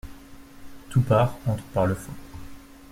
Toupart entre par le fond.